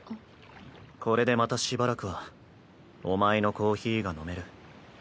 これでまたしばらくはお前のコーヒーが飲める。